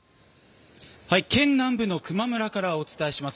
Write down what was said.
県南部の球磨村からお伝えします。